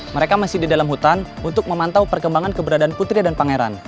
mereka masih di dalam hutan untuk memantau perkembangan keberadaan putri dan pangeran